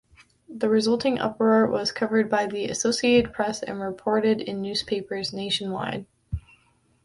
The resulting uproar was covered by the Associated Press and reported in newspapers nationwide.